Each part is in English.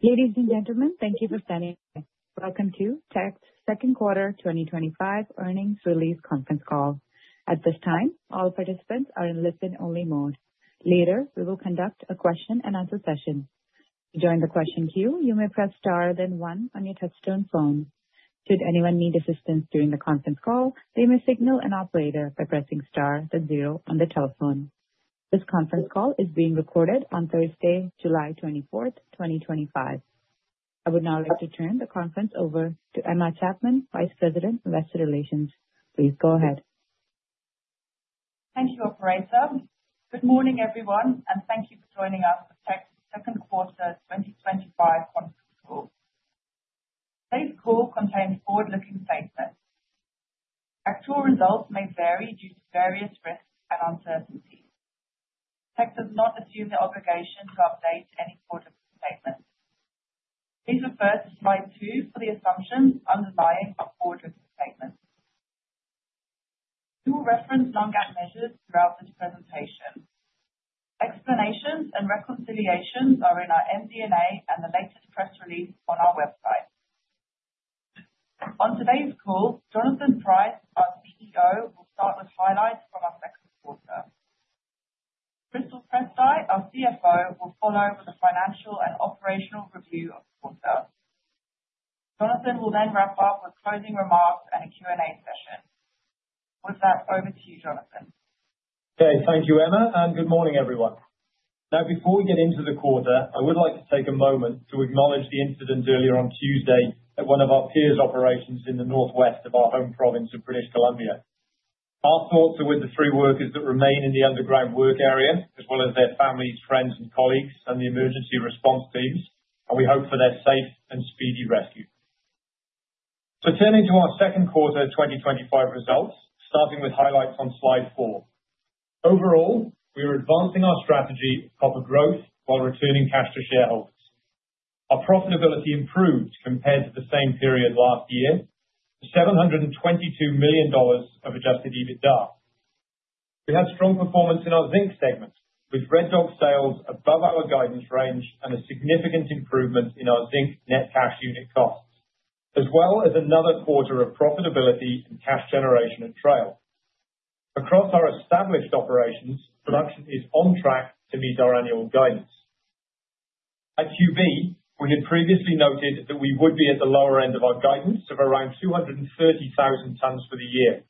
Ladies and gentlemen, thank you for standing up. Welcome to Teck's Second Quarter 2025 Earnings Release Conference Call. At this time, all participants are in listen-only mode. Later, we will conduct a question-and-answer session. To join the question queue, you may press star then one on your touchstone phone. Should anyone need assistance during the conference call, they may signal an operator by pressing star then zero on the telephone. This conference call is being recorded on Thursday, July 24th, 2025. I would now like to turn the conference over to Emma Chapman, Vice President, Investor Relations. Please go ahead. Thank you, Operator. Good morning, everyone, and thank you for joining us for Teck's Second Quarter 2025 Conference Call. Today's call contains forward-looking statements. Actual results may vary due to various risks and uncertainties. Teck does not assume the obligation to update any forward-looking statements. Please refer to slide two for the assumptions underlying our forward-looking statements. We will reference non-GAAP measures throughout this presentation. Explanations and reconciliations are in our MD&A and the latest press release on our website. On today's call, Jonathan Price, our CEO, will start with highlights from our second quarter. Crystal Prystai, our CFO, will follow with a financial and operational review of the quarter. Jonathan will then wrap up with closing remarks and a Q&A session. With that, over to you, Jonathan. Okay, thank you, Emma, and good morning, everyone. Now, before we get into the quarter, I would like to take a moment to acknowledge the incident earlier on Tuesday at one of our peers' operations in the northwest of our home province of British Columbia. Our thoughts are with the three workers that remain in the underground work area, as well as their families, friends, and colleagues and the emergency response teams, and we hope for their safe and speedy rescue. Turning to our second quarter 2025 results, starting with highlights on slide four. Overall, we are advancing our strategy of proper growth while returning cash to shareholders. Our profitability improved compared to the same period last year to $722 million of Adjusted EBITDA. We had strong performance in our zinc segment, with Red Dog sales above our guidance range and a significant improvement in our zinc net cash unit costs, as well as another quarter of profitability and cash generation at Trail. Across our established operations, production is on track to meet our annual guidance. At QB, we had previously noted that we would be at the lower end of our guidance of around 230,000 tons for the year.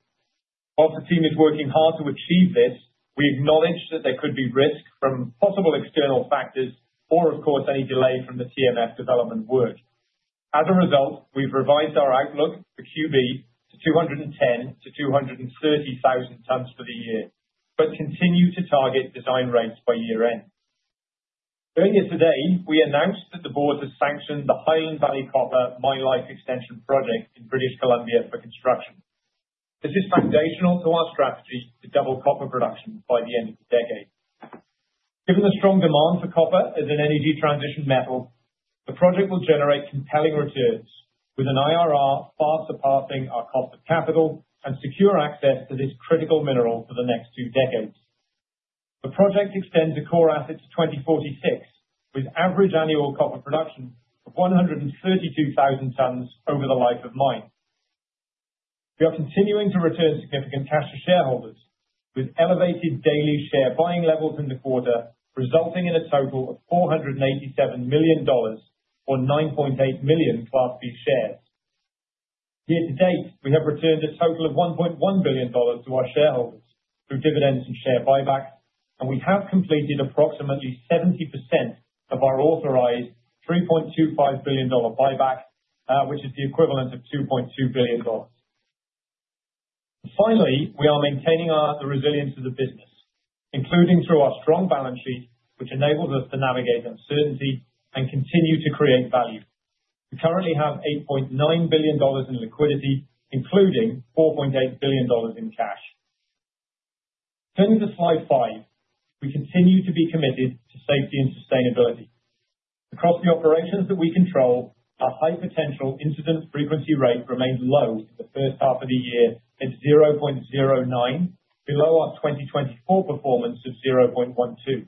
Whilst the team is working hard to achieve this, we acknowledge that there could be risk from possible external factors or, of course, any delay from the TMF development work. As a result, we have revised our outlook for QB to 210,000-230,000 tons for the year, but continue to target design rates by year-end. Earlier today, we announced that the board has sanctioned the Highland Valley Copper Mine Life Extension project in British Columbia for construction. This is foundational to our strategy to double copper production by the end of the decade. Given the strong demand for copper as an energy transition metal, the project will generate compelling returns, with an IRR far surpassing our cost of capital and secure access to this critical mineral for the next two decades. The project extends a core asset to 2046, with average annual copper production of 132,000 tons over the life of mine. We are continuing to return significant cash to shareholders, with elevated daily share buying levels in the quarter resulting in a total of $487 million, or $9.8 million Class B shares. Year to date, we have returned a total of $1.1 billion to our shareholders through dividends and share buybacks, and we have completed approximately 70% of our authorized $3.25 billion buyback, which is the equivalent of $2.2 billion. Finally, we are maintaining the resilience of the business, including through our strong balance sheet, which enables us to navigate uncertainty and continue to create value. We currently have $8.9 billion in liquidity, including $4.8 billion in cash. Turning to slide five, we continue to be committed to safety and sustainability. Across the operations that we control, our high potential incident frequency rate remained low in the first half of the year at 0.09, below our 2024 performance of 0.12.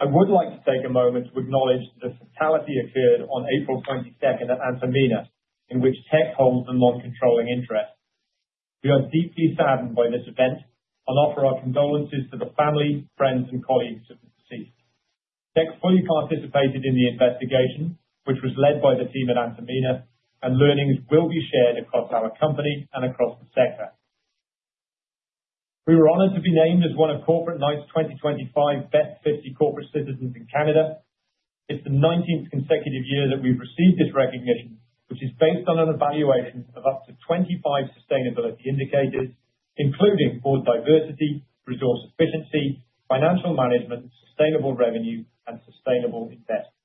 I would like to take a moment to acknowledge the fatality that occurred on April 22 at Antamina, in which Teck holds the non-controlling interest. We are deeply saddened by this event and offer our condolences to the family, friends, and colleagues of the deceased. Teck fully participated in the investigation, which was led by the team at Antamina, and learnings will be shared across our company and across the sector. We were honored to be named as one of Corporate Knights' 2025 Best 50 Corporate Citizens in Canada. It is the 19th consecutive year that we have received this recognition, which is based on an evaluation of up to 25 sustainability indicators, including board diversity, resource efficiency, financial management, sustainable revenue, and sustainable investment.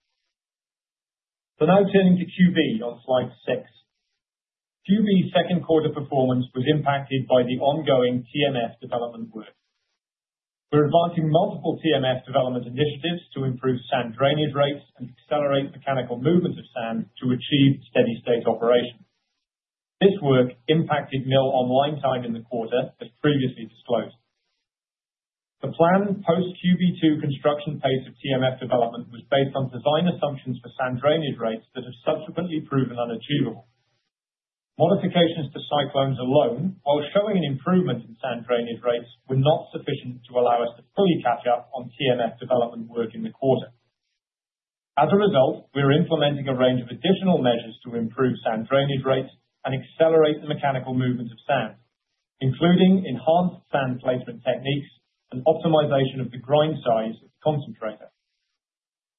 Now turning to QB on slide six. QB's second quarter performance was impacted by the ongoing TMF development work. We are advancing multiple TMF development initiatives to improve sand drainage rates and accelerate mechanical movement of sand to achieve steady-state operation. This work impacted mill online time in the quarter, as previously disclosed. The planned post-QB2 construction pace of TMF development was based on design assumptions for sand drainage rates that have subsequently proven unachievable. Modifications to cyclones alone, while showing an improvement in sand drainage rates, were not sufficient to allow us to fully catch up on TMF development work in the quarter. As a result, we are implementing a range of additional measures to improve sand drainage rates and accelerate the mechanical movement of sand, including enhanced sand placement techniques and optimization of the grind size of the concentrator.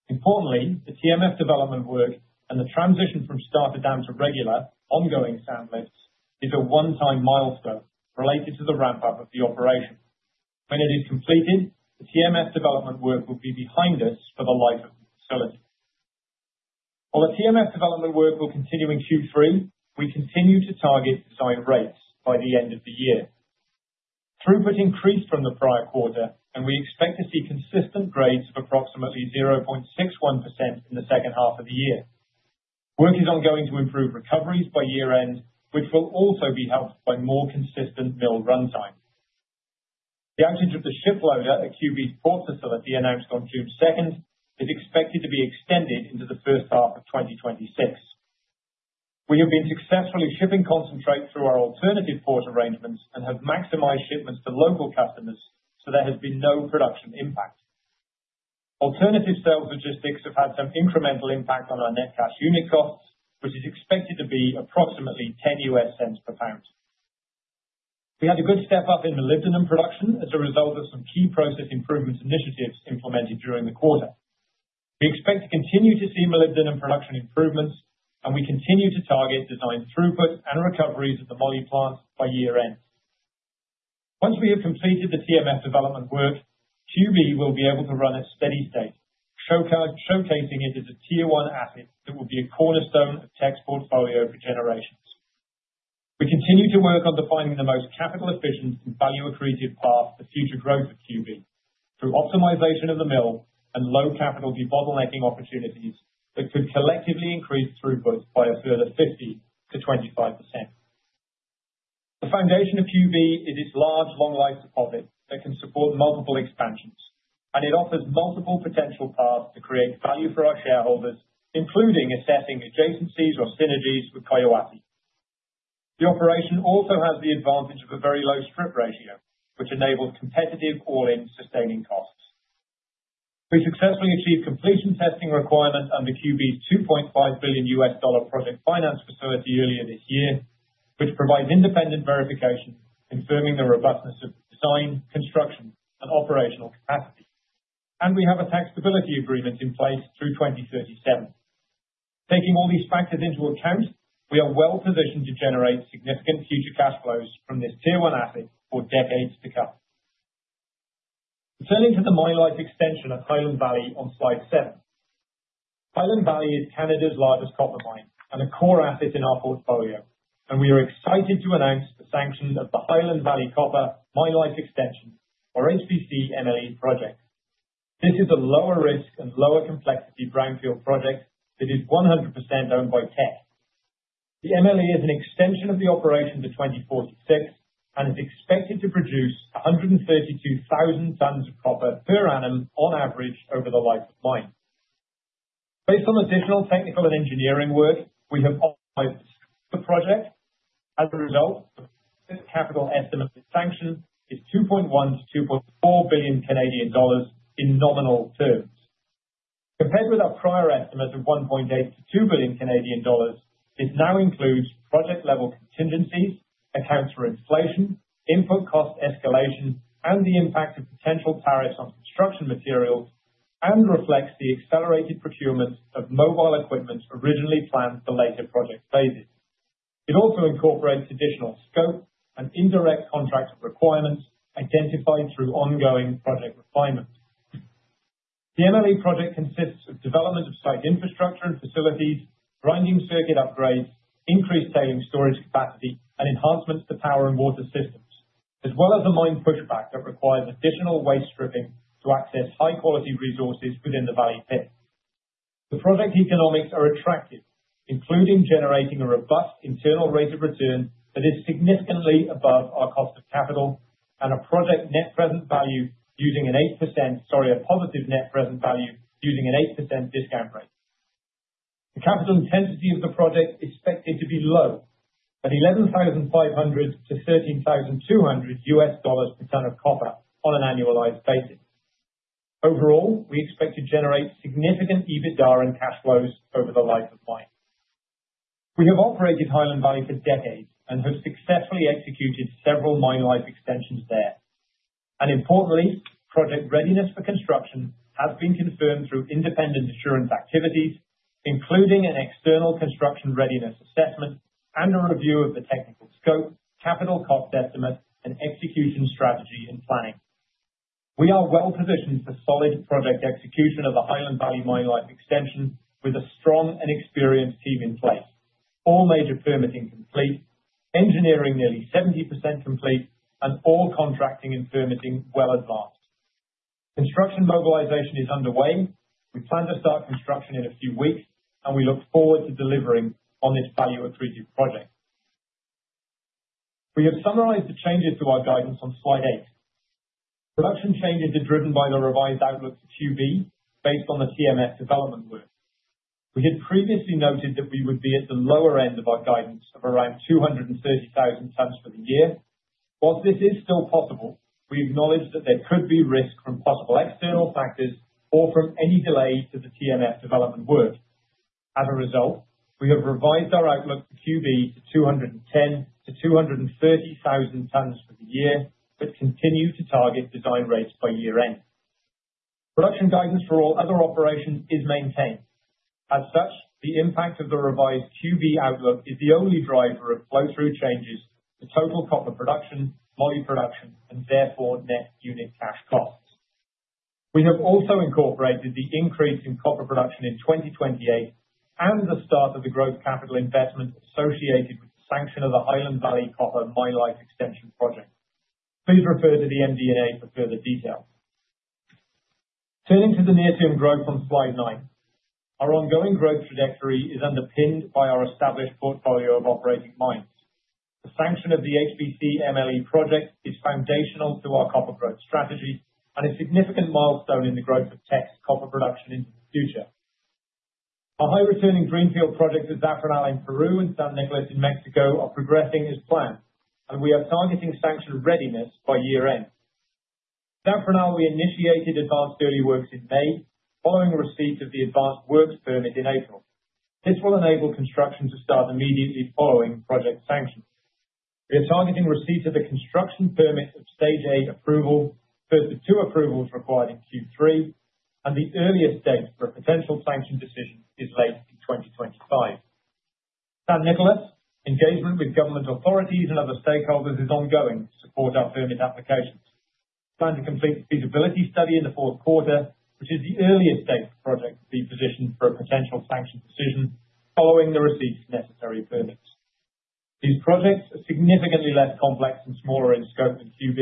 Importantly, the TMF development work and the transition from starter dam to regular ongoing sand lifts is a one-time milestone related to the ramp-up of the operation. When it is completed, the TMF development work will be behind us for the life of the facility. While the TMF development work will continue in Q3, we continue to target design rates by the end of the year. Throughput increased from the prior quarter, and we expect to see consistent grades of approximately 0.61% in the second half of the year. Work is ongoing to improve recoveries by year-end, which will also be helped by more consistent mill runtime. The outage of the shiploader at QB's port facility announced on June 2 is expected to be extended into the first half of 2026. We have been successfully shipping concentrate through our alternative port arrangements and have maximized shipments to local customers so there has been no production impact. Alternative sales logistics have had some incremental impact on our net cash unit costs, which is expected to be approximately $0.10 per pound. We had a good step up in molybdenum production as a result of some key process improvement initiatives implemented during the quarter. We expect to continue to see molybdenum production improvements, and we continue to target design throughput and recoveries at the Moly plant by year-end. Once we have completed the TMF development work, QB will be able to run at steady state, showcasing it as a tier-one asset that will be a cornerstone of Teck's portfolio for generations. We continue to work on defining the most capital-efficient and value-accretive path for future growth of QB through optimization of the mill and low-capital debottlenecking opportunities that could collectively increase throughput by a further 15%-25%. The foundation of QB is its large long-life deposit that can support multiple expansions, and it offers multiple potential paths to create value for our shareholders, including assessing adjacencies or synergies with Collahuasi. The operation also has the advantage of a very low strip ratio, which enables competitive all-in sustaining costs. We successfully achieved completion testing requirement under QB's $2.5 billion project finance facility earlier this year, which provides independent verification confirming the robustness of the design, construction, and operational capacity, and we have a taxability agreement in place through 2037. Taking all these factors into account, we are well-positioned to generate significant future cash flows from this tier-one asset for decades to come. Turning to the Mine Life Extension at Highland Valley on slide seven. Highland Valley is Canada's largest copper mine and a core asset in our portfolio, and we are excited to announce the sanction of the Highland Valley Copper Mine Life Extension, or HVC MLE project. This is a lower-risk and lower-complexity brownfield project that is 100% owned by Teck. The MLE is an extension of the operation to 2046 and is expected to produce 132,000 tons of copper per annum on average over the life of mine. Based on additional technical and engineering work, we have optimized the structure of the project. As a result, the project capital estimate at sanction is 2.1 billion-2.4 billion Canadian dollars in nominal terms. Compared with our prior estimate of 1.8 billion-2 billion Canadian dollars, this now includes project-level contingencies, accounts for inflation, input cost escalation, and the impact of potential tariffs on construction materials, and reflects the accelerated procurement of mobile equipment originally planned for later project phases. It also incorporates additional scope and indirect contract requirements identified through ongoing project refinement. The MLE project consists of development of site infrastructure and facilities, grinding circuit upgrades, increased tailings storage capacity, and enhancements to power and water systems, as well as a mine pushback that requires additional waste stripping to access high-quality resources within the valley pit. The project economics are attractive, including generating a robust internal rate of return that is significantly above our cost of capital and a positive net present value using an 8% discount rate. The capital intensity of the project is expected to be low, at $11,500-$13,200 per ton of copper on an annualized basis. Overall, we expect to generate significant EBITDA and cash flows over the life of mine. We have operated Highland Valley for decades and have successfully executed several Mine Life Extensions there. Importantly, project readiness for construction has been confirmed through independent assurance activities, including an external construction readiness assessment and a review of the technical scope, capital cost estimate, and execution strategy and planning. We are well-positioned for solid project execution of the Highland Valley Mine Life Extension with a strong and experienced team in place, all major permitting complete, engineering nearly 70% complete, and all contracting and permitting well advanced. Construction mobilization is underway. We plan to start construction in a few weeks, and we look forward to delivering on this value-accretive project. We have summarized the changes to our guidance on slide eight. Production changes are driven by the revised outlook for QB based on the TMF development work. We had previously noted that we would be at the lower end of our guidance of around 230,000 tons for the year. Whilst this is still possible, we acknowledge that there could be risk from possible external factors or from any delay to the TMF development work. As a result, we have revised our outlook for QB to 210,000-230,000 tons for the year, but continue to target design rates by year-end. Production guidance for all other operations is maintained. As such, the impact of the revised QB outlook is the only driver of flow-through changes to total copper production, moly production, and therefore net unit cash costs. We have also incorporated the increase in copper production in 2028 and the start of the growth capital investment associated with the sanction of the Highland Valley Copper Mine Life Extension project. Please refer to the MD&A for further details. Turning to the near-term growth on slide nine, our ongoing growth trajectory is underpinned by our established portfolio of operating mines. The sanction of the HVC MLE project is foundational to our copper growth strategy and a significant milestone in the growth of Teck's copper production into the future. Our high-returning greenfield projects at Zafranal in Peru and San Nicolás in Mexico are progressing as planned, and we are targeting sanction readiness by year-end. At Zafranal, we initiated advanced early works in May, following receipt of the advanced works permit in April. This will enable construction to start immediately following project sanction. We are targeting receipt of the construction permit of stage eight approval, with a further two approvals required in Q3, and the earliest date for a potential sanction decision is late in 2025. At San Nicolás, engagement with government authorities and other stakeholders is ongoing to support our permit applications. We plan to complete the feasibility study in the fourth quarter, which is the earliest date for projects to be positioned for a potential sanction decision, following the receipt of necessary permits. These projects are significantly less complex and smaller in scope than QB,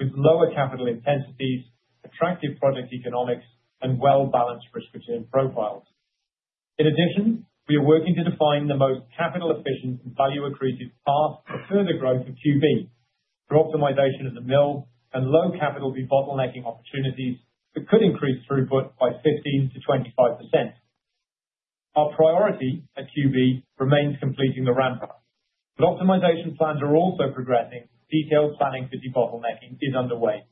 with lower capital intensities, attractive project economics, and well-balanced risk-return profiles. In addition, we are working to define the most capital-efficient and value-accretive path for further growth of QB, through optimization of the mill and low capital debottlenecking opportunities that could increase throughput by 15%-25%. Our priority at QB remains completing the ramp-up, but optimization plans are also progressing, and detailed planning for debottlenecking is underway.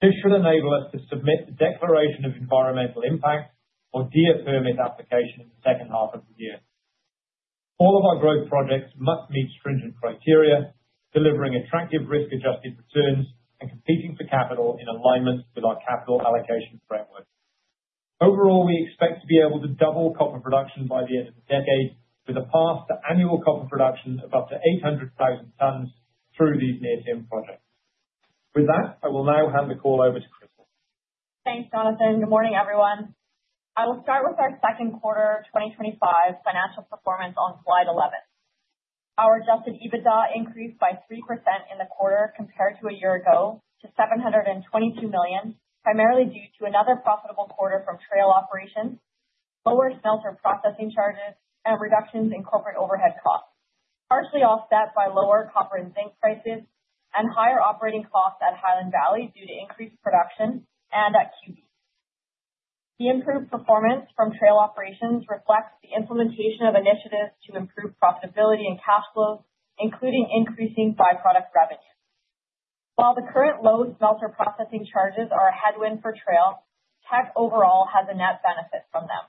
This should enable us to submit the declaration of environmental impact or DEIS permit application in the second half of the year. All of our growth projects must meet stringent criteria, delivering attractive risk-adjusted returns and competing for capital in alignment with our capital allocation framework. Overall, we expect to be able to double copper production by the end of the decade, with a path to annual copper production of up to 800,000 tons through these near-term projects. With that, I will now hand the call over to Crystal. Thanks, Jonathan. Good morning, everyone. I will start with our second quarter 2025 financial performance on slide 11. Our Adjusted EBITDA increased by 3% in the quarter compared to a year ago to $722 million, primarily due to another profitable quarter from Trail operations, lower smelter processing charges, and reductions in corporate overhead costs, partially offset by lower copper and zinc prices and higher operating costs at Highland Valley due to increased production and at QB. The improved performance from Trail operations reflects the implementation of initiatives to improve profitability and cash flow, including increasing byproduct revenue. While the current low smelter processing charges are a headwind for Trail, Teck overall has a net benefit from them.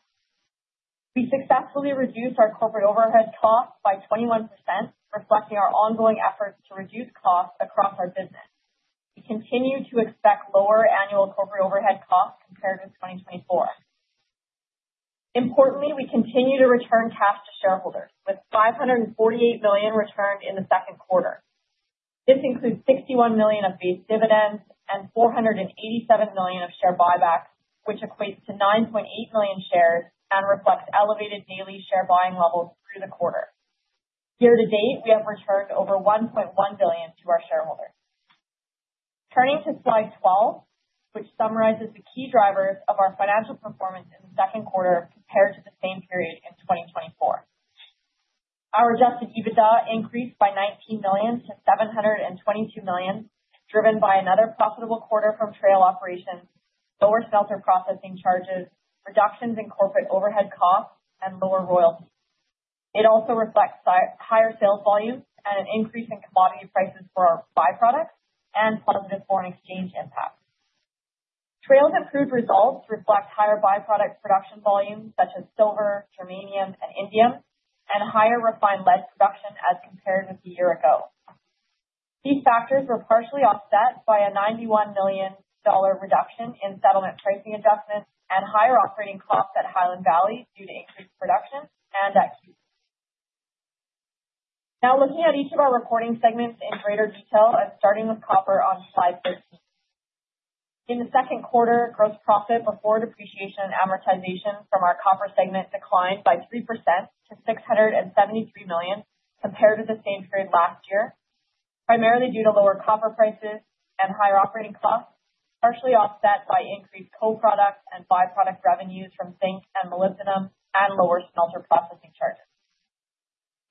We successfully reduced our corporate overhead costs by 21%, reflecting our ongoing efforts to reduce costs across our business. We continue to expect lower annual corporate overhead costs compared with 2024. Importantly, we continue to return cash to shareholders, with $548 million returned in the second quarter. This includes $61 million of base dividends and $487 million of share buybacks, which equates to $9.8 million shares and reflects elevated daily share buying levels through the quarter. Year-to-date, we have returned over $1.1 billion to our shareholders. Turning to slide 12, which summarizes the key drivers of our financial performance in the second quarter compared to the same period in 2024. Our Adjusted EBITDA increased by $19 million-$722 million, driven by another profitable quarter from Trail operations, lower smelter processing charges, reductions in corporate overhead costs, and lower royalties. It also reflects higher sales volumes and an increase in commodity prices for our byproducts and positive foreign exchange impact. Trail's approved results reflect higher byproduct production volumes, such as silver, germanium, and indium, and higher refined lead production as compared with the year ago. These factors were partially offset by a $91 million reduction in settlement pricing adjustments and higher operating costs at Highland Valley due to increased production and at QB. Now, looking at each of our reporting segments in greater detail, and starting with copper on slide 13. In the second quarter, gross profit before depreciation and amortization from our copper segment declined by 3% to $673 million compared to the same period last year, primarily due to lower copper prices and higher operating costs, partially offset by increased coproduct and byproduct revenues from zinc and molybdenum and lower smelter processing charges.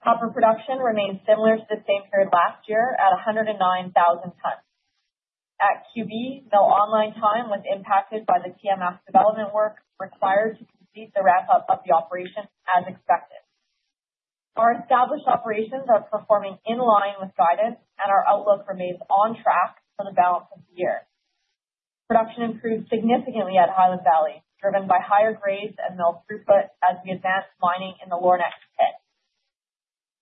Copper production remained similar to the same period last year at 109,000 tons. At QB, the online time was impacted by the TMF development work required to complete the ramp-up of the operation as expected. Our established operations are performing in line with guidance, and our outlook remains on track for the balance of the year. Production improved significantly at Highland Valley, driven by higher grades and mill throughput as we advanced mining in the lower Next pit.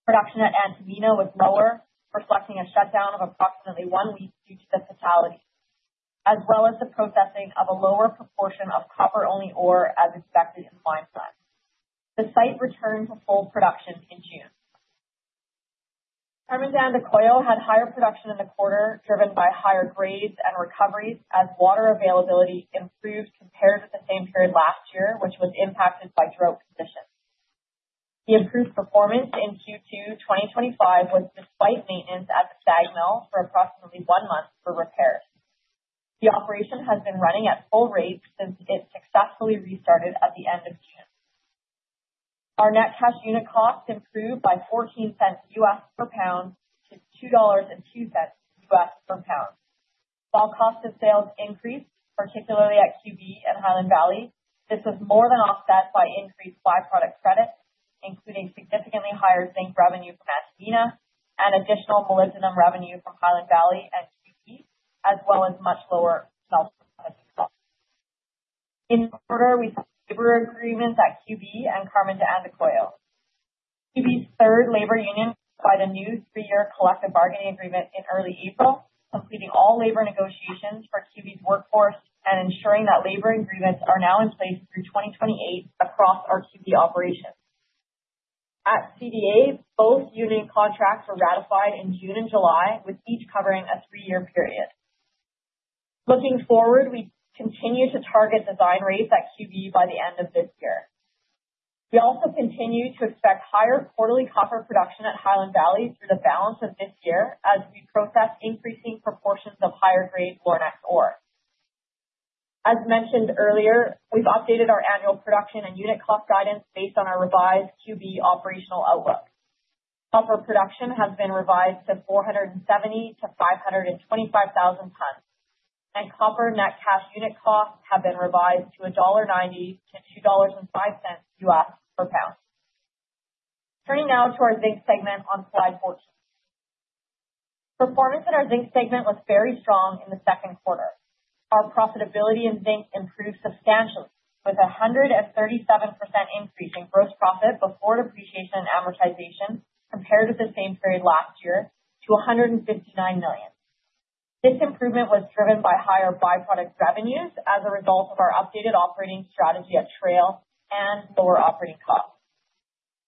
Production at Antamina was lower, reflecting a shutdown of approximately one week due to the fatalities, as well as the processing of a lower proportion of copper-only ore as expected in the mine plan. The site returned to full production in June. Carmen de Andacollo had higher production in the quarter, driven by higher grades and recoveries as water availability improved compared with the same period last year, which was impacted by drought conditions. The improved performance in Q2 2025 was despite maintenance at the SAG mill for approximately one month for repairs. The operation has been running at full rates since it successfully restarted at the end of June. Our net cash unit costs improved by $0.14 per pound to $2.02 per pound. While cost of sales increased, particularly at QB and Highland Valley, this was more than offset by increased byproduct credit, including significantly higher zinc revenue from Antamina and additional molybdenum revenue from Highland Valley and QB, as well as much lower smelter processing costs. In the quarter, we signed labor agreements at QB and Carmen de Andacollo. QB's third labor union signed a new three-year collective bargaining agreement in early April, completing all labor negotiations for QB's workforce and ensuring that labor agreements are now in place through 2028 across our QB operations. At CDA, both union contracts were ratified in June and July, with each covering a three-year period. Looking forward, we continue to target design rates at QB by the end of this year. We also continue to expect higher quarterly copper production at Highland Valley through the balance of this year as we process increasing proportions of higher-grade lower Next ore. As mentioned earlier, we've updated our annual production and unit cost guidance based on our revised QB operational outlook. Copper production has been revised to 470,000-525,000 tons, and copper net cash unit costs have been revised to $1.90-$2.05 per pound. Turning now to our zinc segment on slide 14. Performance in our zinc segment was very strong in the second quarter. Our profitability in zinc improved substantially, with a 137% increase in gross profit before depreciation and amortization compared with the same period last year to $159 million. This improvement was driven by higher byproduct revenues as a result of our updated operating strategy at Trail and lower operating costs.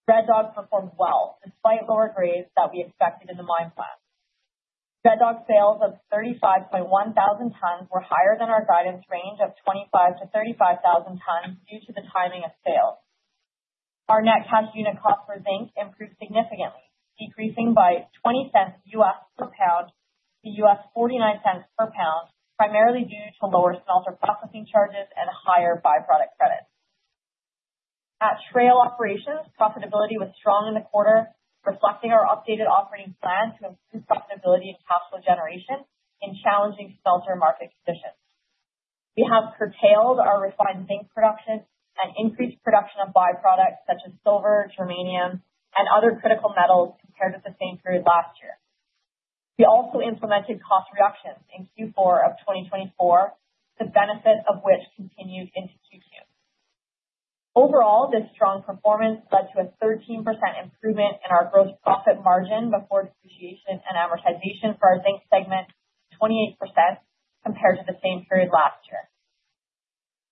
Red Dog performed well despite lower grades that we expected in the mine plan. Red Dog sales of 35.1 thousand tons were higher than our guidance range of 25-35 thousand tons due to the timing of sales. Our net cash unit cost for zinc improved significantly, decreasing by $0.20 per pound to $0.49 per pound, primarily due to lower smelter processing charges and higher byproduct credit. At Trail operations, profitability was strong in the quarter, reflecting our updated operating plan to improve profitability and cash flow generation in challenging smelter market conditions. We have curtailed our refined zinc production and increased production of byproducts such as silver, germanium, and other critical metals compared with the same period last year. We also implemented cost reductions in Q4 of 2024, the benefit of which continued into Q2. Overall, this strong performance led to a 13% improvement in our gross profit margin before depreciation and amortization for our zinc segment, 28% compared to the same period last year.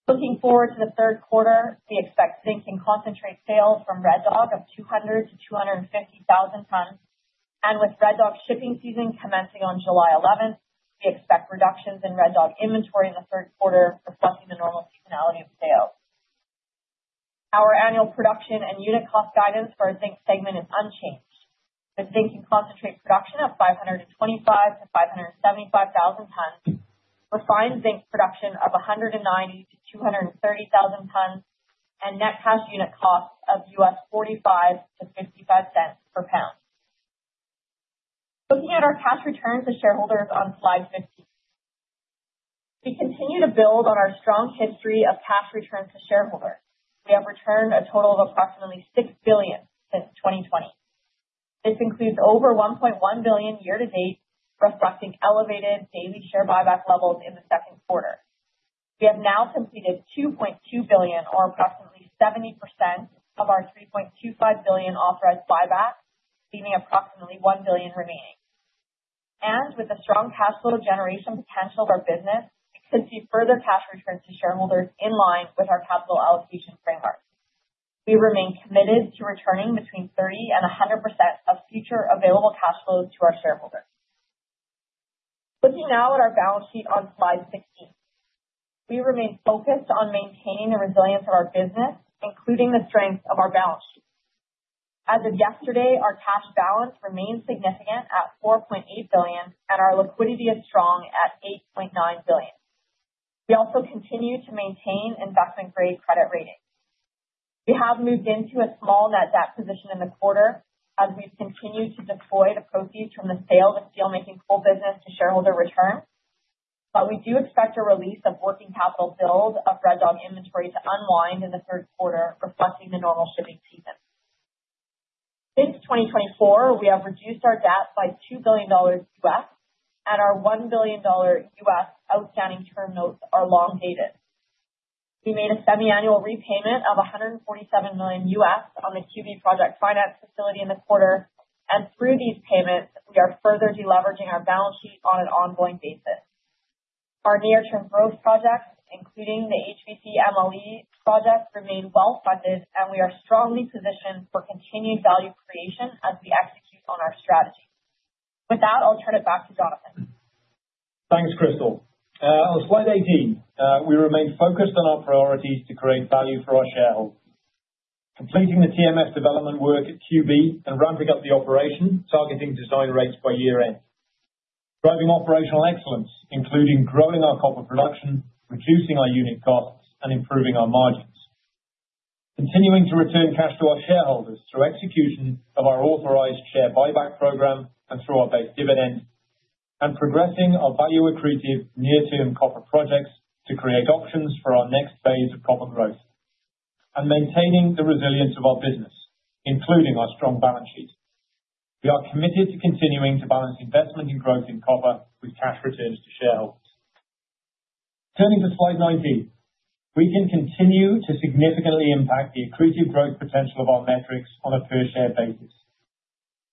Looking forward to the third quarter, we expect zinc and concentrate sales from Red Dog of 200-250 thousand tons, and with Red Dog shipping season commencing on July 11, we expect reductions in Red Dog inventory in the third quarter, reflecting the normal seasonality of sales. Our annual production and unit cost guidance for our zinc segment is unchanged. The zinc and concentrate production of 525-575 thousand tons, refined zinc production of 190-230 thousand tons, and net cash unit costs of $0.45-$0.55 per pound. Looking at our cash returns to shareholders on slide 15. We continue to build on our strong history of cash returns to shareholders. We have returned a total of approximately $6 billion since 2020. This includes over $1.1 billion year-to-date, reflecting elevated daily share buyback levels in the second quarter. We have now completed $2.2 billion, or approximately 70% of our $3.25 billion authorized buyback, leaving approximately $1 billion remaining. With the strong cash flow generation potential of our business, we could see further cash returns to shareholders in line with our capital allocation framework. We remain committed to returning between 30% and 100% of future available cash flows to our shareholders. Looking now at our balance sheet on slide 16, we remain focused on maintaining the resilience of our business, including the strength of our balance sheet. As of yesterday, our cash balance remains significant at $4.8 billion, and our liquidity is strong at $8.9 billion. We also continue to maintain investment-grade credit ratings. We have moved into a small net debt position in the quarter as we've continued to deploy the proceeds from the sale of the steelmaking coal business to shareholder return, but we do expect a release of working capital build of Red Dog inventory to unwind in the third quarter, reflecting the normal shipping season. Since 2024, we have reduced our debt by $2 billion, and our $1 billion outstanding term notes are long dated. We made a semi-annual repayment of $147 million on the QB project finance facility in the quarter, and through these payments, we are further deleveraging our balance sheet on an ongoing basis. Our near-term growth projects, including the HVC MLE project, remain well funded, and we are strongly positioned for continued value creation as we execute on our strategy. With that, I'll turn it back to Jonathan. Thanks, Crystal. On slide 18, we remain focused on our priorities to create value for our shareholders, completing the TMF development work at QB and ramping up the operation, targeting design rates by year-end. Driving operational excellence, including growing our copper production, reducing our unit costs, and improving our margins. Continuing to return cash to our shareholders through execution of our authorized share buyback program and through our base dividend, and progressing our value accretive near-term copper projects to create options for our next phase of copper growth, and maintaining the resilience of our business, including our strong balance sheet. We are committed to continuing to balance investment and growth in copper with cash returns to shareholders. Turning to slide 19, we can continue to significantly impact the accretive growth potential of our metrics on a per-share basis.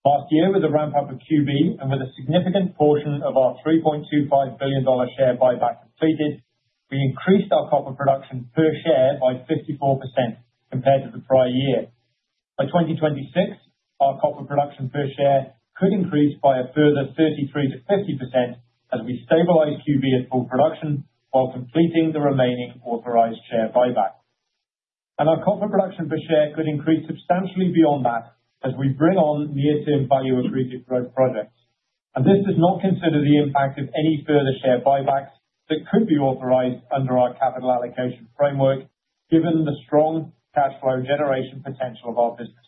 Last year, with the ramp-up of QB and with a significant portion of our $3.25 billion share buyback completed, we increased our copper production per share by 54% compared to the prior year. By 2026, our copper production per share could increase by a further 33%-50% as we stabilize QB at full production while completing the remaining authorized share buyback. And our copper production per share could increase substantially beyond that as we bring on near-term value accretive growth projects. And this does not consider the impact of any further share buybacks that could be authorized under our capital allocation framework, given the strong cash flow generation potential of our business.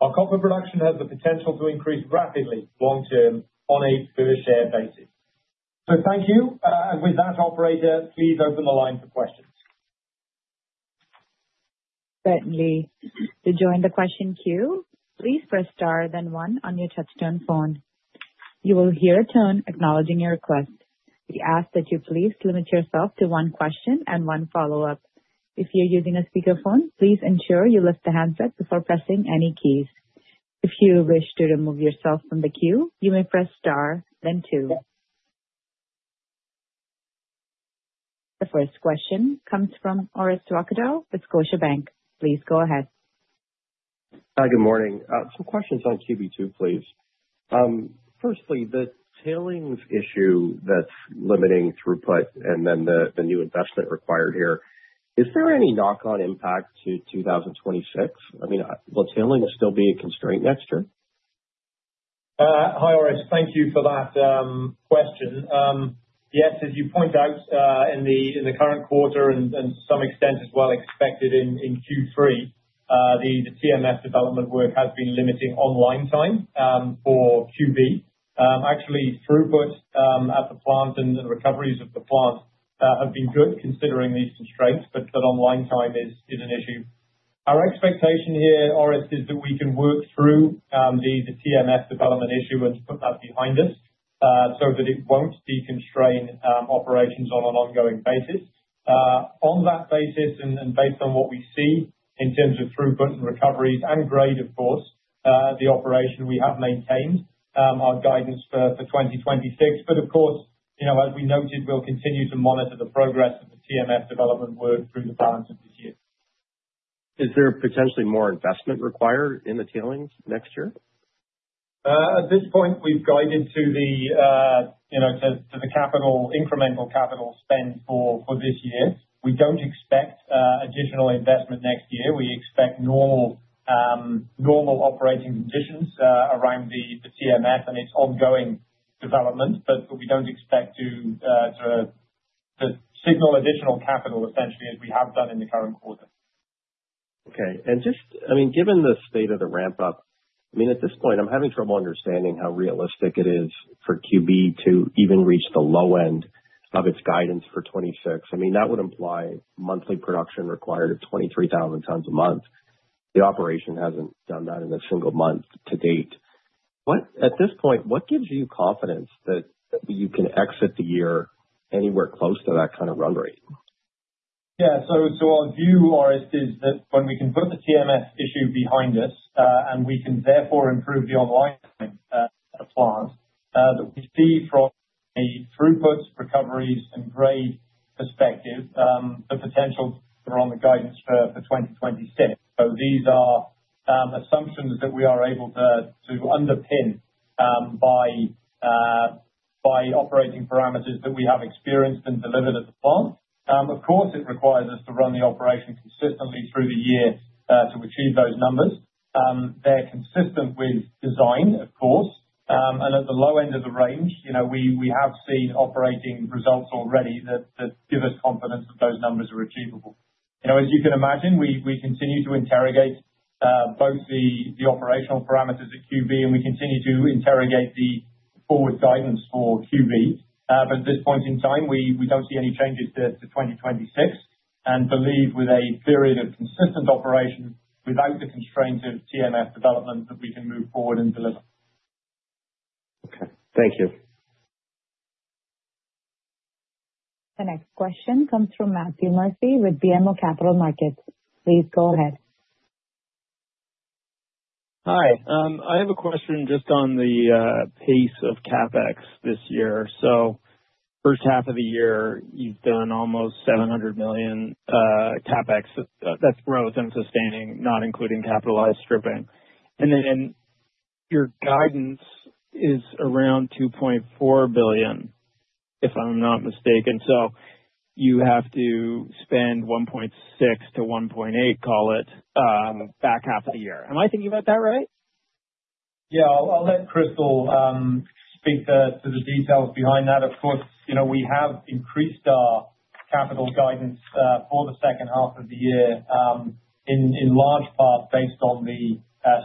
Our copper production has the potential to increase rapidly long-term on a per-share basis. So thank you. And with that, operator, please open the line for questions. Certainly.To join the question queue, please press star then one on your touch-tone phone. You will hear a tone acknowledging your request. We ask that you please limit yourself to one question and one follow-up. If you're using a speakerphone, please ensure you lift the handset before pressing any keys. If you wish to remove yourself from the queue, you may press star then two. The first question comes from Orest Wowkodaw with Scotiabank. Please go ahead. Hi, good morning. Some questions on QB2, please. Firstly, the tailings issue that's limiting throughput and then the new investment required here, is there any knock-on impact to 2026? I mean, will tailings still be a constraint next year? Hi, Orest. Thank you for that question. Yes, as you point out, in the current quarter and to some extent as well expected in Q3, the TMF development work has been limiting online time for QB. Actually, throughput at the plant and the recoveries of the plant have been good considering these constraints, but online time is an issue. Our expectation here, Orest, is that we can work through the TMF development issue and put that behind us so that it won't constrain operations on an ongoing basis. On that basis and based on what we see in terms of throughput and recoveries and grade, of course, at the operation, we have maintained our guidance for 2026. Of course, as we noted, we'll continue to monitor the progress of the TMF development work through the balance of this year. Is there potentially more investment required in the tailings next year? At this point, we've guided to the capital, incremental capital spend for this year. We don't expect additional investment next year. We expect normal operating conditions around the TMF and its ongoing development, but we don't expect to signal additional capital, essentially, as we have done in the current quarter. Okay. Just, I mean, given the state of the ramp-up, I mean, at this point, I'm having trouble understanding how realistic it is for QB to even reach the low end of its guidance for 2026. I mean, that would imply monthly production required of 23,000 tons a month. The operation hasn't done that in a single month to date. At this point, what gives you confidence that you can exit the year anywhere close to that kind of run rate? Yeah. Our view, Orest, is that when we can put the TMF issue behind us and we can therefore improve the online plant, that we see from a throughput, recoveries, and grade perspective the potential for on the guidance for 2026. These are assumptions that we are able to underpin by operating parameters that we have experienced and delivered at the plant. Of course, it requires us to run the operation consistently through the year to achieve those numbers. They're consistent with design, of course. At the low end of the range, we have seen operating results already that give us confidence that those numbers are achievable. As you can imagine, we continue to interrogate both the operational parameters at QB, and we continue to interrogate the forward guidance for QB. At this point in time, we don't see any changes to 2026 and believe with a period of consistent operation without the constraints of TMF development that we can move forward and deliver. Okay. Thank you. The next question comes from Matthew Murphy with BMO Capital Markets. Please go ahead. Hi. I have a question just on the piece of CapEx this year. So first half of the year, you've done almost $700 million CapEx. That's growth and sustaining, not including capitalized stripping. And then your guidance is around $2.4 billion, if I'm not mistaken. So you have to spend $1.6 billion-$1.8 billion, call it, back half of the year. Am I thinking about that right? Yeah. I'll let Crystal speak to the details behind that. Of course, we have increased our capital guidance for the second half of the year, in large part based on the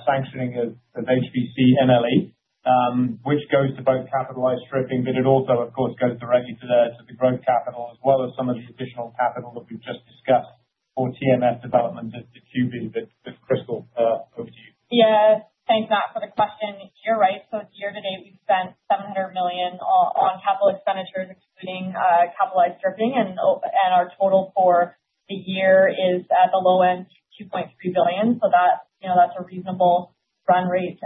sanctioning of HVC MLE, which goes to both capitalized stripping, but it also, of course, goes directly to the growth capital as well as some of the additional capital that we've just discussed for TMF development at QB. But Crystal, over to you. Yeah. Thanks, Matt, for the question. You're right. So year-to-date, we've spent $700 million on capital expenditures, excluding capitalized stripping. And our total for the year is at the low end, $2.3 billion. So that's a reasonable run rate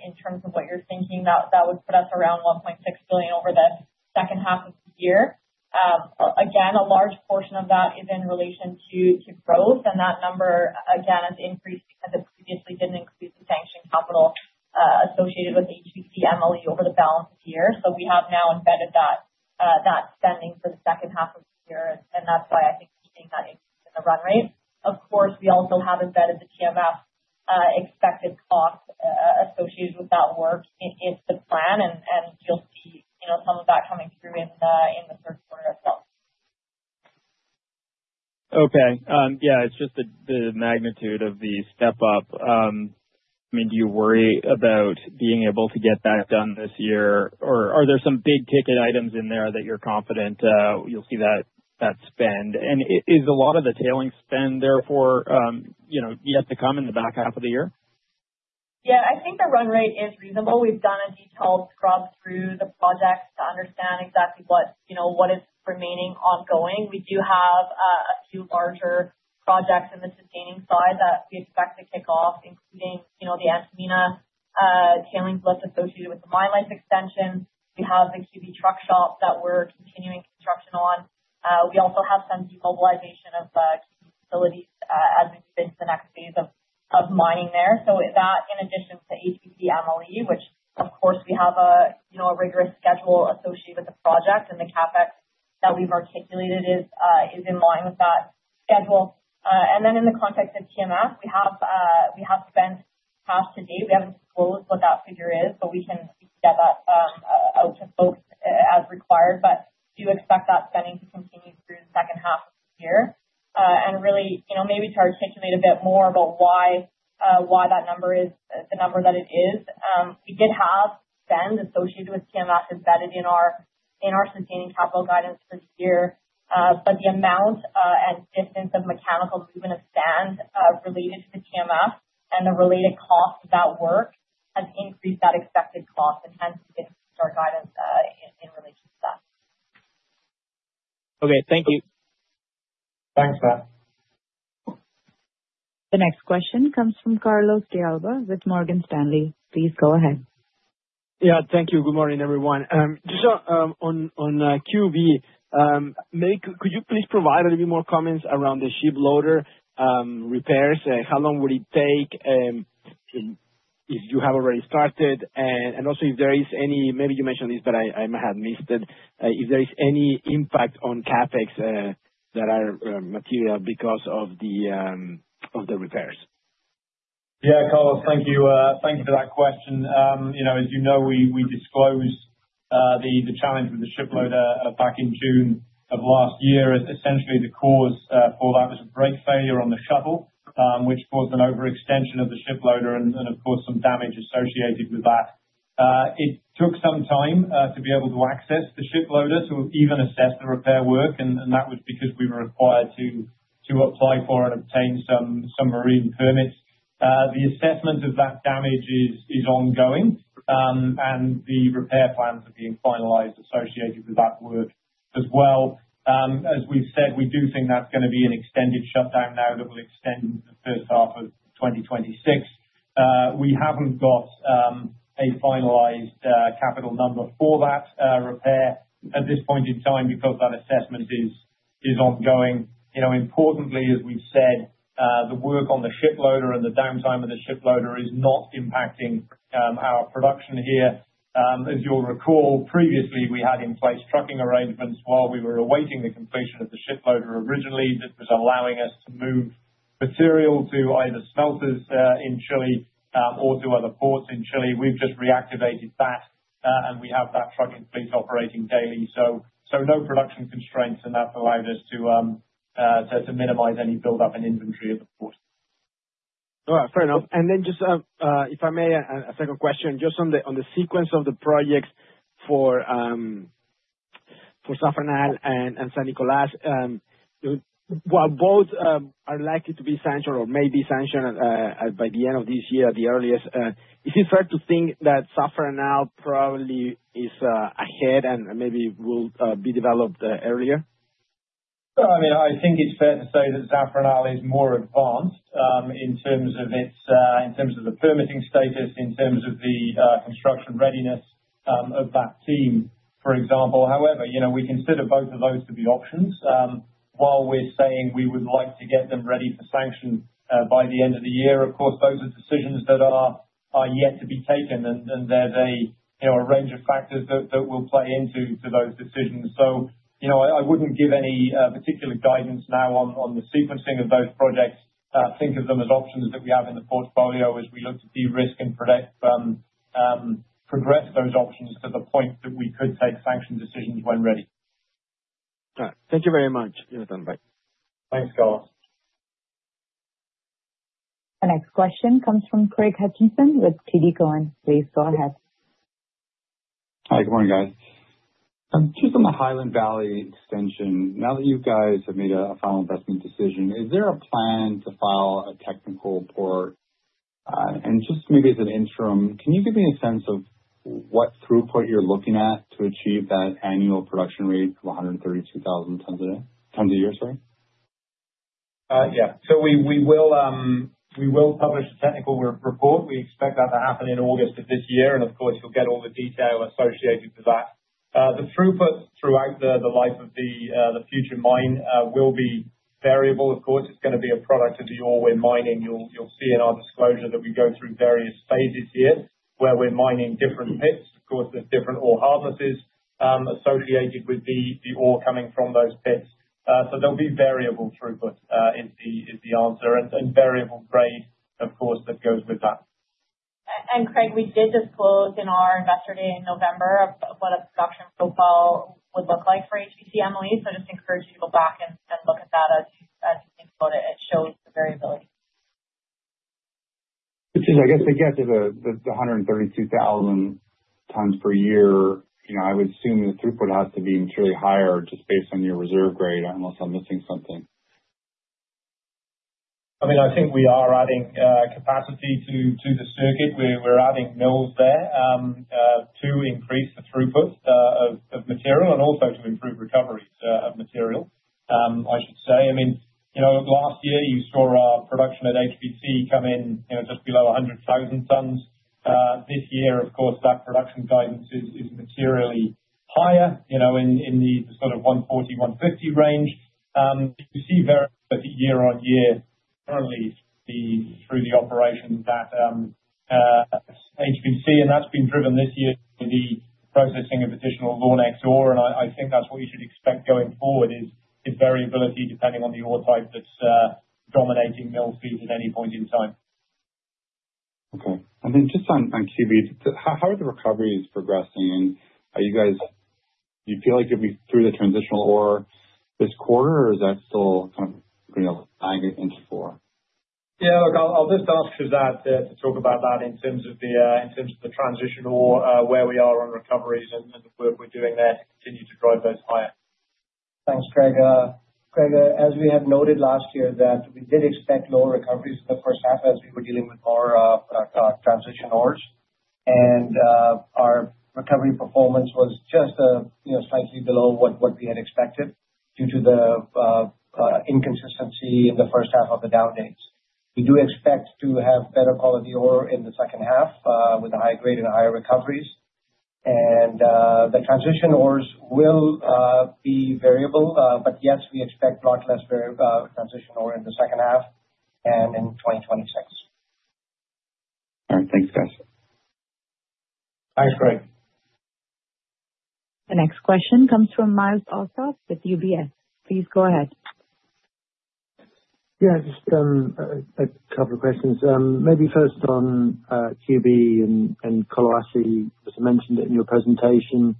in terms of what you're thinking. That would put us around $1.6 billion over the second half of the year. Again, a large portion of that is in relation to growth. And that number, again, has increased because it previously didn't include the sanctioned capital associated with HVC MLE over the balance of the year. So we have now embedded that spending for the second half of the year. And that's why I think we're seeing that increase in the run rate. Of course, we also have embedded the TMF expected cost associated with that work into the plan. And you'll see some of that coming through in the third quarter as well. Okay. Yeah. It's just the magnitude of the step-up. I mean, do you worry about being able to get that done this year? Or are there some big-ticket items in there that you're confident you'll see that spend? And is a lot of the tailings spend, therefore, yet to come in the back half of the year? Yeah. I think the run rate is reasonable. We've done a detailed scrub through the projects to understand exactly what is remaining ongoing. We do have a few larger projects in the sustaining side that we expect to kick off, including the Antamina tailings lift associated with the mine life extension. We have the QB truck shop that we're continuing construction on. We also have some demobilization of QB facilities as we move into the next phase of mining there. That, in addition to HVC MLE, which, of course, we have a rigorous schedule associated with the project and the CapEx that we've articulated is in line with that schedule. In the context of TMF, we have spent cash today. We haven't disclosed what that figure is, but we can get that out to folks as required. Do expect that spending to continue through the second half of the year. Really, maybe to articulate a bit more about why that number is the number that it is. We did have spend associated with TMF embedded in our sustaining capital guidance for this year. The amount and distance of mechanical movement of sand related to the TMF and the related cost of that work has increased that expected cost and hence increased our guidance in relation to that. Okay. Thank you. Thanks, Matt. The next question comes from Carlos de Alba with Morgan Stanley. Please go ahead. Yeah. Thank you. Good morning, everyone. Just on QB. Could you please provide a little bit more comments around the ship loader repairs? How long would it take, if you have already started? Also, if there is any—maybe you mentioned this, but I might have missed it—if there is any impact on CapEx that are material because of the repairs? Yeah, Carlos, thank you for that question. As you know, we disclosed the challenge with the ship loader back in June of last year. Essentially, the cause for that was a brake failure on the shuttle, which caused an overextension of the ship loader and, of course, some damage associated with that. It took some time to be able to access the ship loader to even assess the repair work. That was because we were required to apply for and obtain some marine permits. The assessment of that damage is ongoing, and the repair plans are being finalized associated with that work as well. As we've said, we do think that's going to be an extended shutdown now that will extend into the first half of 2026. We haven't got a finalized capital number for that repair at this point in time because that assessment is ongoing. Importantly, as we've said, the work on the ship loader and the downtime of the ship loader is not impacting our production here. As you'll recall, previously, we had in place trucking arrangements while we were awaiting the completion of the ship loader originally that was allowing us to move material to either smelters in Chile or to other ports in Chile. We've just reactivated that, and we have that truck in place operating daily. No production constraints, and that's allowed us to minimize any buildup in inventory at the port. All right. Fair enough. Then just, if I may, a second question. Just on the sequence of the projects for Zafranal and San Nicolás. While both are likely to be sanctioned or may be sanctioned by the end of this year, at the earliest, is it fair to think that Zafranal probably is ahead and maybe will be developed earlier? I mean, I think it's fair to say that Zafranal is more advanced in terms of the permitting status, in terms of the construction readiness of that team, for example. However, we consider both of those to be options. While we're saying we would like to get them ready for sanction by the end of the year, of course, those are decisions that are yet to be taken. There is a range of factors that will play into those decisions. I would not give any particular guidance now on the sequencing of those projects. Think of them as options that we have in the portfolio as we look to de-risk and progress those options to the point that we could take sanction decisions when ready. All right. Thank you very much. You have a good one. Bye. Thanks, Carlos. The next question comes from Craig Hutchison with TD Cowen. Please go ahead. Hi. Good morning, guys. Just on the Highland Valley extension, now that you guys have made a final investment decision, is there a plan to file a technical report? And just maybe as an interim, can you give me a sense of what throughput you're looking at to achieve that annual production rate of 132,000 tons a year? Sorry. Yeah. We will publish a technical report. We expect that to happen in August of this year. Of course, you will get all the detail associated with that. The throughput throughout the life of the future mine will be variable, of course. It is going to be a product of the ore we are mining. You will see in our disclosure that we go through various phases here where we are mining different pits. There are different ore hardnesses associated with the ore coming from those pits. There will be variable throughput is the answer. And variable grade, of course, that goes with that. Craig, we did disclose in our investor day in November what a production profile would look like for HVC MLE. I just encourage people back and look at that as you think about it. It shows the variability, Which is, I guess, is the 132,000 tons per year and I would assume the throughput has to be materially higher just based on your reserve grade, unless I am missing something. I mean, I think we are adding capacity to the circuit. We are adding mills there to increase the throughput of material and also to improve recoveries of material, I should say. I mean, last year, you saw our production at HVC come in just below 100,000 tons. This year, of course, that production guidance is materially higher in the sort of 140-150 range. You see variability year on year, currently, through the operations at HVC. That has been driven this year by the processing of additional Lornex ore. I think that is what you should expect going forward is variability depending on the ore type that is dominating mill feed at any point in time. Okay. And then just on QB, how are the recoveries progressing? Are you guys, do you feel like you'll be through the transitional ore this quarter, or is that still kind of lagging into four? Yeah. Look, I'll just ask for that to talk about that in terms of the transitional ore, where we are on recoveries and the work we're doing there to continue to drive those higher. Thanks, Craig. Craig, as we had noted last year, we did expect lower recoveries in the first half as we were dealing with more transitional ores. Our recovery performance was just slightly below what we had expected due to the inconsistency in the first half of the down dates. We do expect to have better quality ore in the second half with a higher grade and higher recoveries. The transitional ores will be variable. Yes, we expect a lot less transitional ore in the second half and in 2026. All right. Thanks, guys. Thanks, Craig. The next question comes from Myles Allsop with UBS. Please go ahead. Yeah. Just a couple of questions. Maybe first on QB and Collahuasi, as I mentioned in your presentation.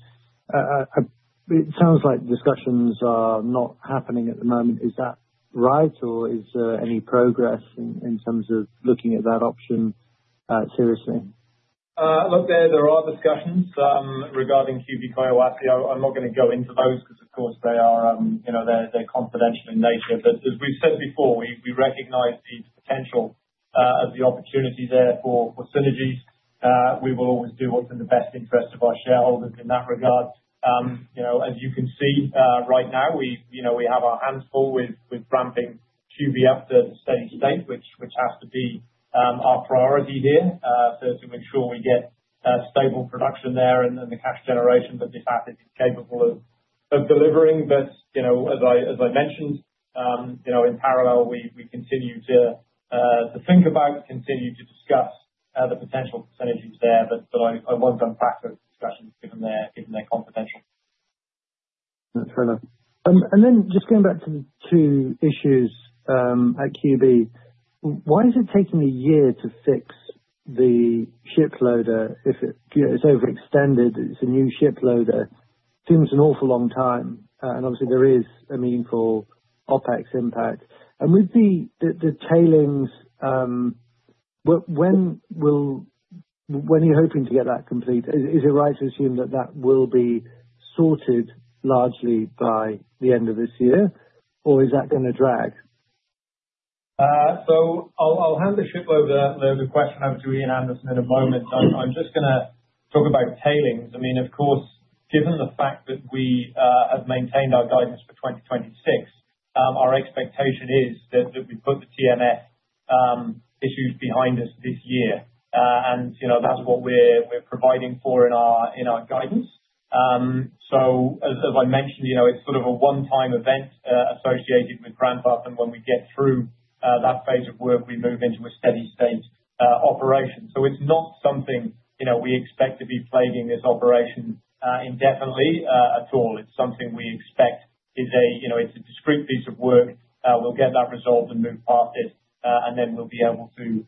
It sounds like discussions are not happening at the moment. Is that right? Or is there any progress in terms of looking at that option seriously? Look, there are discussions regarding QB Collahuasi. I'm not going to go into those because, of course, they're confidential in nature. As we've said before, we recognize the potential of the opportunity there for synergies. We will always do what's in the best interest of our shareholders in that regard. As you can see right now, we have our hands full with ramping QB up to a steady state, which has to be our priority here to make sure we get stable production there and the cash generation that this asset is capable of delivering. As I mentioned, in parallel, we continue to think about, continue to discuss the potential synergies there. I won't unpack those discussions given they're confidential. That's fair enough. Just going back to two issues. At QB, why is it taking a year to fix the ship loader if it's overextended, it's a new ship loader? Seems an awful long time. Obviously, there is a meaningful OpEx impact. With the tailings, when are you hoping to get that complete? Is it right to assume that that will be sorted largely by the end of this year? Or is that going to drag? I'll hand the ship loader question over to Ian Anderson in a moment. I'm just going to talk about tailings. Of course, given the fact that we have maintained our guidance for 2026, our expectation is that we've put the TMF issues behind us this year. That's what we're providing for in our guidance. As I mentioned, it's sort of a one-time event associated with ramp-up. When we get through that phase of work, we move into a steady-state operation. It is not something we expect to be plaguing this operation indefinitely at all. It is something we expect is a discrete piece of work. We will get that resolved and move past it. Then we will be able to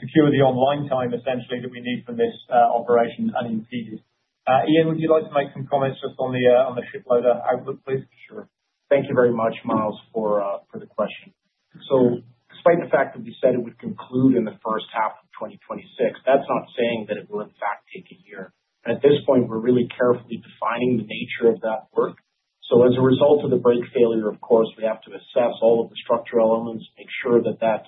secure the online time, essentially, that we need from this operation unimpeded. Ian, would you like to make some comments just on the ship loader outlook, please? Sure. Thank you very much, Myles, for the question. Despite the fact that we said it would conclude in the first half of 2026, that is not saying that it will, in fact, take a year. At this point, we are really carefully defining the nature of that work. As a result of the brake failure, of course, we have to assess all of the structural elements, make sure that that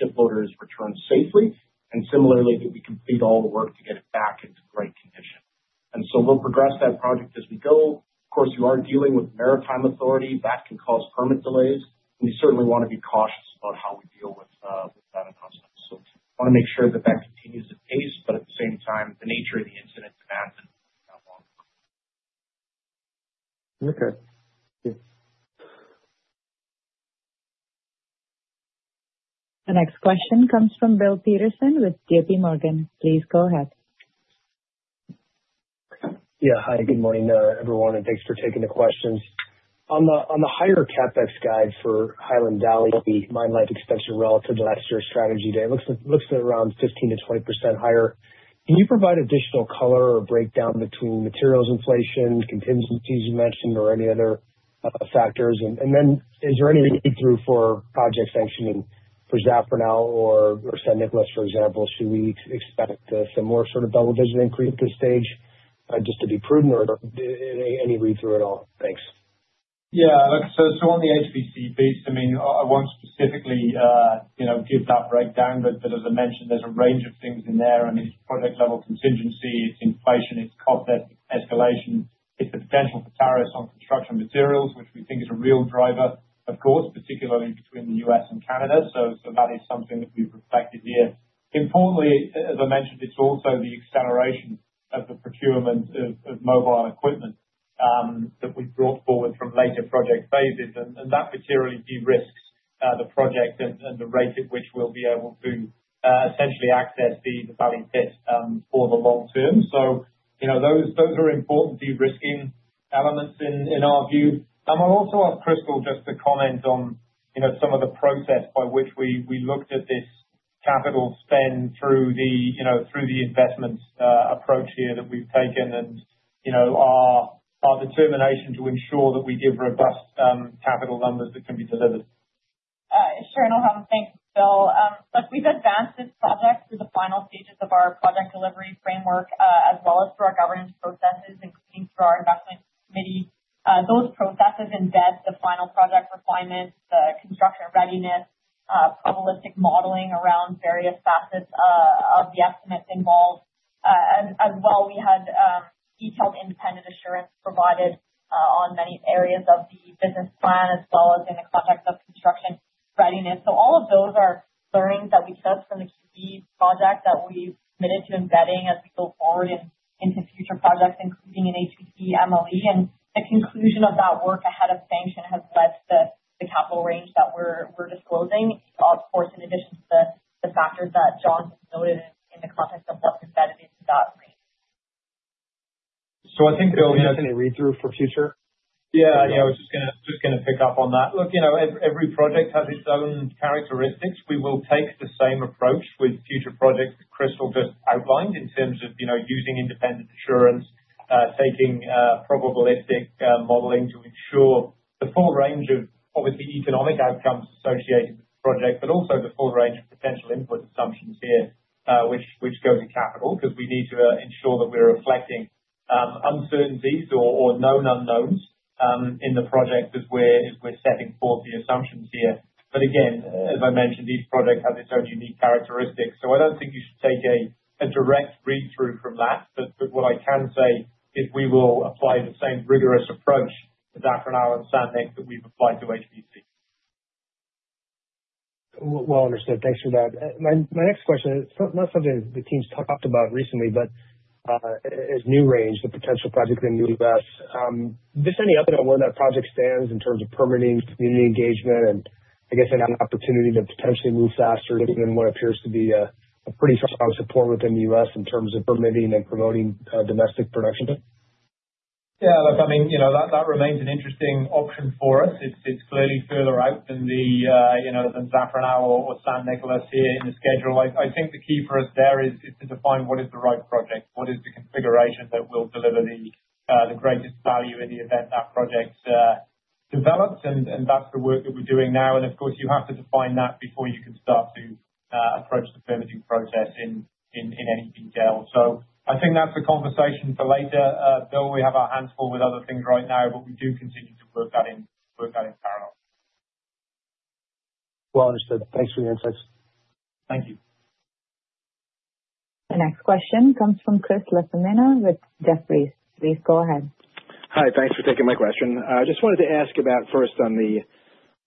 ship loader is returned safely, and similarly, that we complete all the work to get it back into great condition. We will progress that project as we go. Of course, you are dealing with maritime authority. That can cause permit delays. We certainly want to be cautious about how we deal with that in hospital. I want to make sure that that continues at pace, but at the same time, the nature of the incident demands that we work that long. Thank you. The next question comes from Bill Peterson with J.P. Morgan. Please go ahead. Yeah. Hi. Good morning, everyone. Thanks for taking the questions. On the higher CapEx guide for Highland Valley, the mine life extension relative to last year's strategy date, it looks at around 15%-20% higher. Can you provide additional color or breakdown between materials inflation, contingencies you mentioned, or any other factors? Is there any read-through for project sanctioning for Zafranal or San Nicolás, for example? Should we expect some more sort of double-digit increase at this stage just to be prudent or any read-through at all? Thanks. Yeah. On the HVC piece, I mean, I will not specifically give that breakdown. As I mentioned, there is a range of things in there. It is project-level contingency. It is inflation. It is cost escalation. It is the potential for tariffs on construction materials, which we think is a real driver, of course, particularly between the U.S. and Canada. That is something that we have reflected here. Importantly, as I mentioned, it is also the acceleration of the procurement of mobile equipment that we have brought forward from later project phases. That materially de-risks the project and the rate at which we will be able to essentially access the valley pit for the long term. Those are important de-risking elements in our view. I will also ask Crystal just to comment on some of the process by which we looked at this capital spend through the investment approach here that we have taken and. Our determination to ensure that we give robust capital numbers that can be delivered. Sure. No problem. Thanks, Bill. Look, we've advanced this project through the final stages of our project delivery framework, as well as through our governance processes, including through our investment committee. Those processes embed the final project refinement, the construction readiness. Probabilistic modeling around various facets of the estimates involved. As well, we had detailed independent assurance provided on many areas of the business plan, as well as in the context of construction readiness. All of those are learnings that we took from the QB project that we've committed to embedding as we go forward into future projects, including in HVC MLE. The conclusion of that work ahead of sanction has led to the capital range that we're disclosing, of course, in addition to the factors that John has noted in the context of what's embedded into that range. I think, Bill, we have any read-through for future? Yeah. Yeah. I was just going to pick up on that. Look, every project has its own characteristics. We will take the same approach with future projects that Crystal just outlined in terms of using independent assurance, taking probabilistic modeling to ensure the full range of, obviously, economic outcomes associated with the project, but also the full range of potential input assumptions here, which go to capital, because we need to ensure that we're reflecting uncertainties or known unknowns in the project as we're setting forth the assumptions here. Again, as I mentioned, each project has its own unique characteristics. I don't think you should take a direct read-through from that. What I can say is we will apply the same rigorous approach to Zafranal and San Nicolás that we've applied to HVC. Well understood. Thanks for that. My next question is not something the team's talked about recently, but as you range the potential project in the U.S., does any other where that project stands in terms of permitting, community engagement, and I guess an opportunity to potentially move faster than what appears to be a pretty strong support within the U.S. in terms of permitting and promoting domestic production? Yeah. I mean, that remains an interesting option for us. It's clearly further out than Zafranal or San Nicolás here in the schedule. I think the key for us there is to define what is the right project, what is the configuration that will deliver the greatest value in the event that project develops. That's the work that we're doing now. Of course, you have to define that before you can start to approach the permitting process in any detail. I think that's a conversation for later. Bill, we have our hands full with other things right now, but we do continue to work that in parallel. Well understood. Thanks for the insights. Thank you. The next question comes from Chris LaFemina with Jefferies. Please go ahead. Hi. Thanks for taking my question. I just wanted to ask about first on the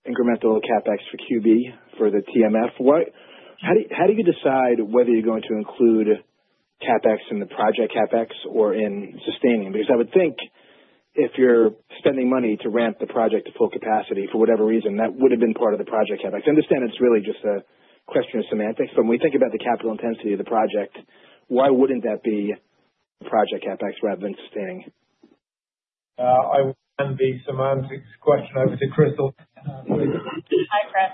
incremental CapEx for QB for the TMF. How do you decide whether you're going to include CapEx in the project CapEx or in sustaining? Because I would think if you're spending money to ramp the project to full capacity for whatever reason, that would have been part of the project CapEx. I understand it's really just a question of semantics. But when we think about the capital intensity of the project, why wouldn't that be project CapEx rather than sustaining? I and the semantics question over to Crystal. Hi, Chris.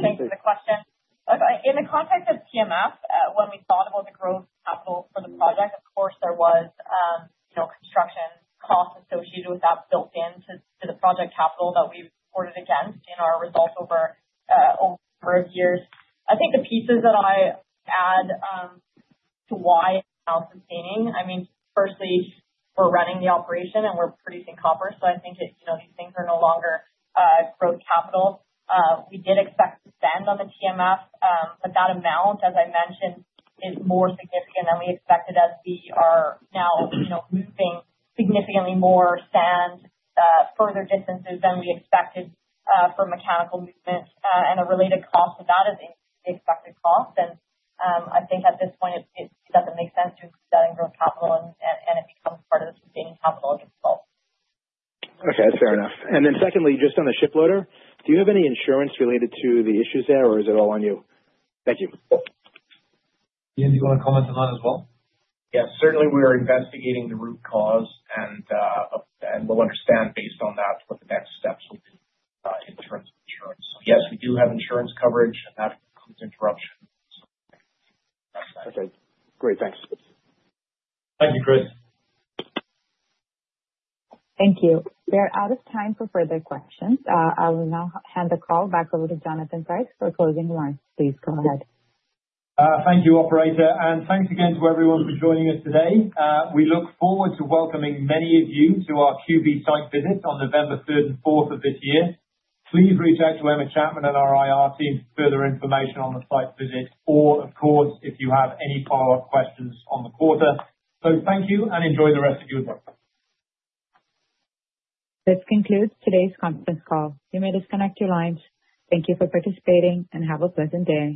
Thanks for the question. In the context of TMF, when we thought about the growth capital for the project, of course, there was construction cost associated with that built into the project capital that we reported against in our results over a number of years. I think the pieces that I add to why sustaining, I mean, firstly, we're running the operation and we're producing copper. So I think these things are no longer growth capital. We did expect to spend on the TMF, but that amount, as I mentioned, is more significant than we expected as we are now moving significantly more sand, further distances than we expected for mechanical movement. And the related cost of that is the expected cost. And I think at this point, it doesn't make sense to include that in growth capital, and it becomes part of the sustaining capital as a result. Okay. That's fair enough. And then secondly, just on the ship loader, do you have any insurance related to the issues there, or is it all on you? Thank you. Ian, do you want to comment on that as well? Yes. Certainly, we are investigating the root cause. We'll understand based on that what the next steps will be in terms of insurance. So yes, we do have insurance coverage, and that includes interruption. That's nice. Okay. Great. Thanks. Thank you, Chris. Thank you. We are out of time for further questions. I will now hand the call back over to Jonathan Price for closing lines. Please go ahead. Thank you, operator. And thanks again to everyone for joining us today. We look forward to welcoming many of you to our QB site visits on November 3rd and 4th of this year. Please reach out to Emma Chapman and our IR team for further information on the site visit or, of course, if you have any follow-up questions on the quarter. So thank you, and enjoy the rest of your day. This concludes today's conference call. You may disconnect your lines. Thank you for participating, and have a pleasant day.